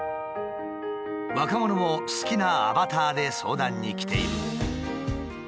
若者も好きなアバターで相談に来ている。